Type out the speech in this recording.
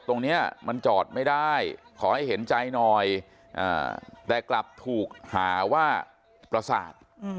ตรงนี้มันจอดไม่ได้ขอให้เห็นใจหน่อยแต่กลับถูกหาว่าประสาท